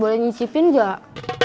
boleh nyicipin gak